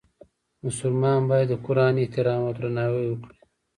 مسلمان باید د قرآن احترام او درناوی وکړي.